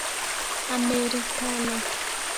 amerikano